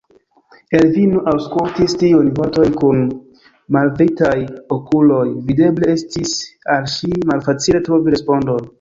Evelino aŭskultis tiujn vortojn kun mallevitaj okuloj; videble estis al ŝi malfacile trovi respondon.